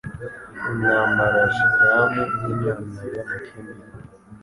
Intambara ya Shikaramu n'intandaro y'amakimbirane